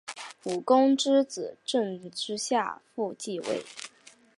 武公之子邾子夏父继位。